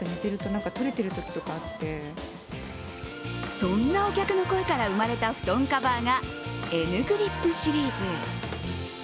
そんなお客の声から生まれた布団カバーがＮグリップシリーズ。